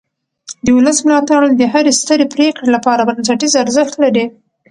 د ولس ملاتړ د هرې سترې پرېکړې لپاره بنسټیز ارزښت لري